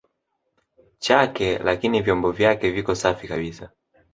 chake lakini vyombo vyake viko safi kabisa